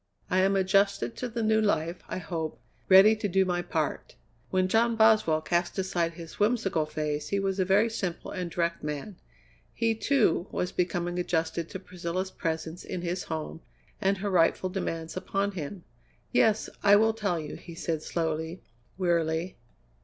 I am adjusted to the new life, I hope, ready to do my part." When John Boswell cast aside his whimsical phase he was a very simple and direct man. He, too, was becoming adjusted to Priscilla's presence in his home and her rightful demands upon him. "Yes, I will tell you," he said slowly, wearily.